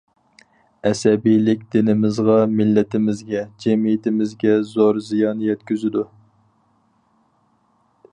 ئەسەبىيلىك دىنىمىزغا، مىللىتىمىزگە، جەمئىيىتىمىزگە زور زىيان يەتكۈزىدۇ.